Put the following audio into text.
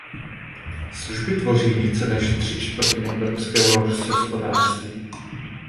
Služby tvoří více než tři čtvrtiny evropského hospodářství.